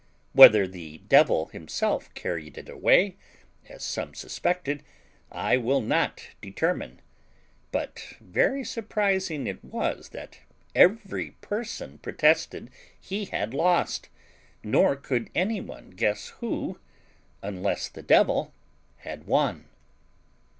Whether the devil himself carried it away, as some suspected, I will not determine; but very surprising it was that every person protested he had lost, nor could any one guess who, unless THE DEVIL, had won.